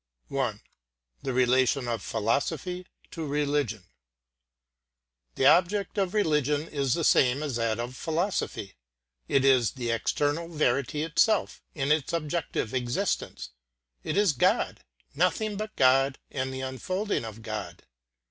I. The Relation of Philosophy to Religion The object of religion is the same as that of philosophy; it is the external verity itself in its objective existence; it is God nothing but God and the unfolding of God.